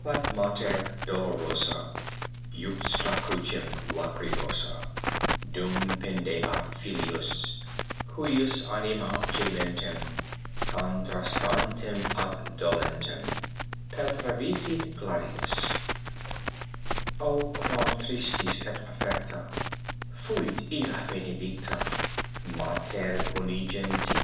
PISANO) Stabat mater dolorosa Juxta crucem lacrymosa, Dum pendebat filius, Cuius animan gementem, Contristantem at dolentem Pertransivit gladius. O quam tristis et afflicta Fuit illa benedicta Mater unigeniti.